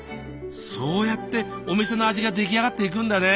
そうやってお店の味が出来上がっていくんだね。